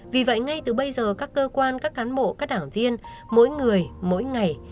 vì vậy ngay từ bây giờ các cơ quan các cán bộ các đảng viên mỗi người mỗi ngày